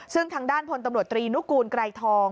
ซึ่งทางด้านพลตำรวจตรีนุกูลไกรทอง